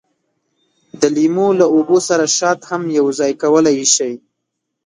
د لیمو له اوبو سره شات هم یوځای کولای شئ.